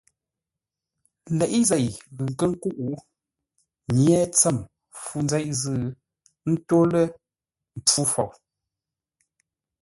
Leʼé zei ghʉ nkə́ nkúʼ, nye ntsəm fû nzeʼ zʉ́ ńtó lə̂ mpfú fou.